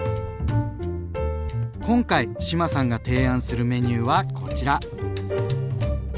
今回志麻さんが提案するメニューはこちら。